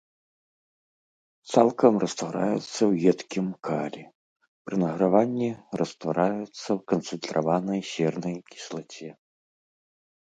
Цалкам раствараецца ў едкім калі, пры награванні раствараецца ў канцэнтраванай сернай кіслаце.